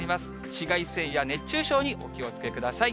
紫外線や熱中症にお気をつけください。